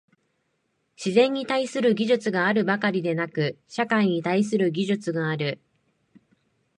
自然に対する技術があるばかりでなく、社会に対する技術がある。